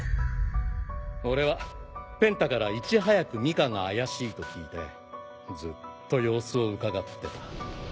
俺はペンタからいち早くミカが怪しいと聞いてずっと様子をうかがってた。